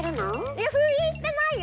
いや封印してないよ。